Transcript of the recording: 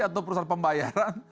atau perusahaan pembayaran